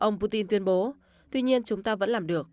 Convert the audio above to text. ông putin tuyên bố tuy nhiên chúng ta vẫn làm được